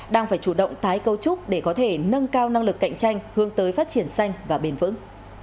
đang phải chủ động tái cấu trúc để có thể nâng cao năng lực cạnh tranh hướng tới phát triển xanh và bền vững